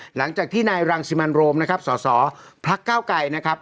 หลังจากที่นายรังสิมันโรมนะครับสสพักเก้าไกรนะครับ